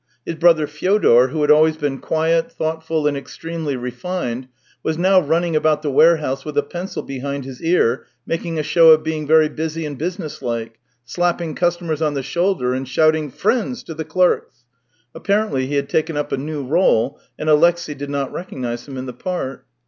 His brother Fyodor, who had always been quiet, thoughtful, and ex tremely refined, was now running about the ware house with a pencil behind his ear making a show of being very busy and business like, slapping customers on the shoulder and shouting "Friends !" to the clerks. Apparently he had taken up a new role, and Alexey did not recognize him in the part.